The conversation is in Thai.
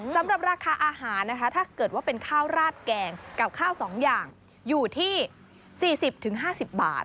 สำหรับราคาอาหารนะคะถ้าเกิดว่าเป็นข้าวราดแกงกับข้าว๒อย่างอยู่ที่๔๐๕๐บาท